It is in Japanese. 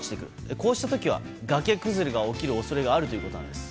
こうした時は崖崩れが起きる恐れがあるということです。